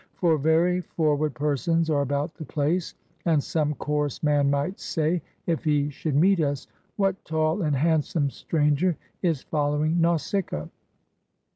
For very forward persons are about the place, and some coarse man might say, if he should meet us: 'What tall and handsome stranger is following Nausicaa?